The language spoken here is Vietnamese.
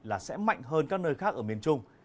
là sẽ mạnh hơn các nơi khác ở miền trung